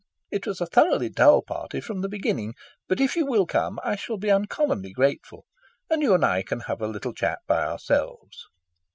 It was a thoroughly dull party from the beginning, but if you will come I shall be uncommonly grateful. And you and I can have a little chat by ourselves."